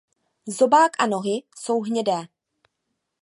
Zobák a nohy jsou hnědé.